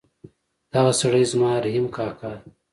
دغه سړی زما رحیم کاکا ده